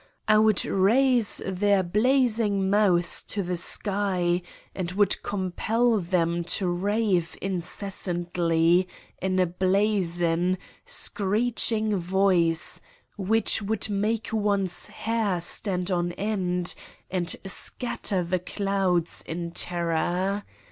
I would raise their blazing mouths to the sky and would compel them to rave incessantly in a blazen, screeching voice which would make one's hair stand on end and scatter the clouds in terror.